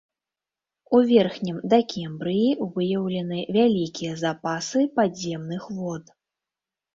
У верхнім дакембрыі выяўлены вялікія запасы падземных вод.